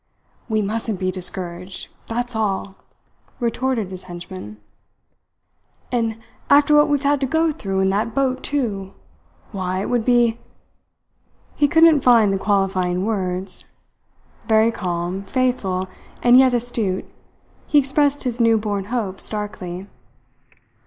"We mustn't be discouraged that's all!" retorted his henchman. "And after what we had to go through in that boat too! Why it would be " He couldn't find the qualifying words. Very calm, faithful, and yet astute, he expressed his new born hopes darkly.